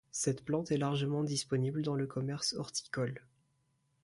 Cette plante est largement disponible dans le commerce horticole.